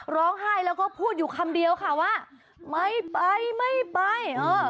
ร้องไห้แล้วก็พูดอยู่คำเดียวค่ะว่าไม่ไปไม่ไป